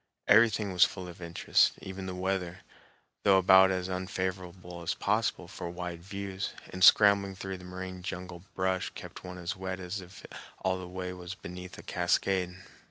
Everything was full of interest, even the weather, though about as unfavorable as possible for wide views, and scrambling through the moraine jungle brush kept one as wet as if all the way was beneath a cascade.